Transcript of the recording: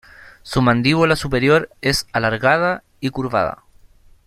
Su mandíbula superior es alargada y curvada.